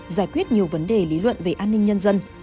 giải quyết nhiều vấn đề lý luận về an ninh nhân dân